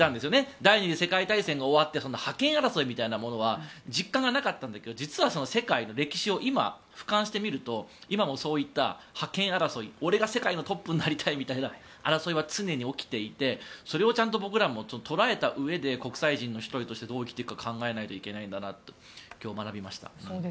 第２次世界大戦が終わって覇権争いみたいなものは実感がなかったんだけど実は世界の歴史を今、ふかんして見ると今もそういった覇権争い俺が世界のトップになりたいみたいな争いは常に起きていてそれはちゃんと僕らも捉えたうえで国際人の１人としてどう生きていくか考えなきゃいけないんだなと今日、学びました。